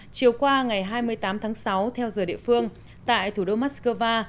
chiều qua ngày hai mươi tám tháng sáu theo giờ địa phương tại thủ đô moscow